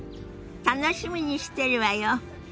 楽しみにしてるわよ。